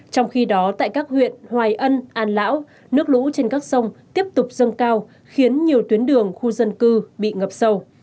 trong khi đó tại các huyện hoài ân an lão nước lũ trên các sông tiếp tục dâng cao khiến nhiều tuyến đường khu dân cư bị ngập sâu